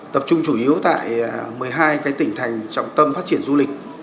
tập trung chủ yếu tại một mươi hai tỉnh thành trọng tâm phát triển du lịch